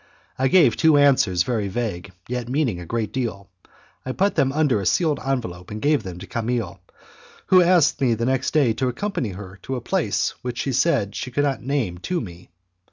I gave two answers very vague, yet meaning a great deal; I put them under a sealed envelope and gave them to Camille, who asked me the next day to accompany her to a place which she said she could not name to me.